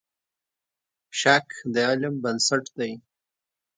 شک د علم بنسټ دی.